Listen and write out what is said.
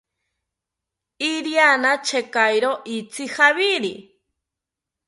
Iriani chekairo itzi javiri